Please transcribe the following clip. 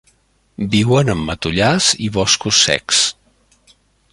Viuen en matollars i boscos secs.